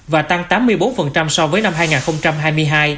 và tăng tám mươi bốn so với năm hai nghìn hai mươi hai